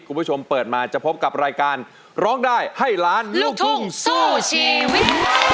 คุณผู้ชมเปิดมาจะพบกับรายการร้องได้ให้ล้านลูกทุ่งสู้ชีวิต